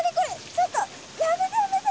ちょっとやめてやめて！